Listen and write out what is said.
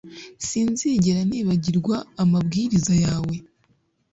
sinzigera nibagirwa amabwiriza yawe